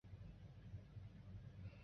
长臀云南鳅为鳅科云南鳅属的鱼类。